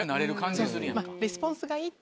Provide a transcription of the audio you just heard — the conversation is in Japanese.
レスポンスがいい。